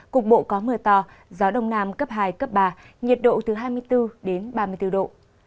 cục bộ có mưa to gió đông nam cấp hai cấp ba nhiệt độ từ hai mươi bốn đến ba mươi bốn độ